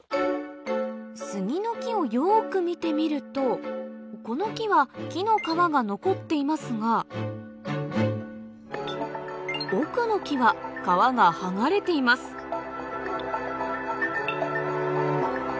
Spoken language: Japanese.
杉の木をよく見てみるとこの木は木の皮が残っていますが奥の木は皮が剥がれていますはっはぁ！